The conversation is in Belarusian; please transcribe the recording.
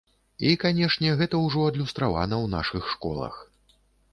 І, канешне, гэта ўжо адлюстравана ў нашых школах.